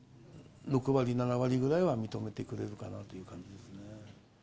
６割、７割ぐらいは認めてくれるかなという感じですね。